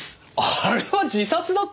あれは自殺だって。